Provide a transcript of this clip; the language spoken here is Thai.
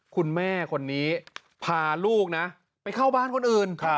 คุณแม่คนนี้พาลูกนะไปเข้าบ้านคนอื่น